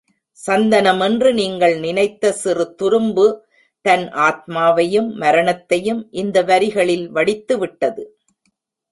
சந்தனமென்று நீங்கள் நினைத்த சிறு துரும்பு தன் ஆத்மாவையும் மரணத்தையும் இந்த வரிகளில் வடித்துவிட்டது.